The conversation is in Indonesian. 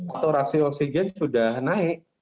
aturasi oksigen sudah naik